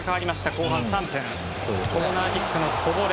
後半３分コーナーキックのこぼれ。